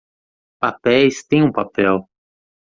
Papéis têm um papel